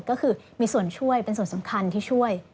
ก็คือมีส่วนช่วยเป็นส่วนสำคัญที่ช่วย